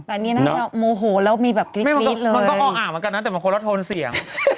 อันนี้น่าจะโมโหแล้วมีแบบกริ๊ดเลยมันก็อ้ออ่าเหมือนกันนะแต่มันควรจะโทนเสียง